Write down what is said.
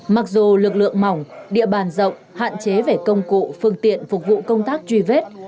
mặc dù lực lượng mỏng địa bàn rộng hạn chế về công cụ phương tiện phục vụ công tác truy vết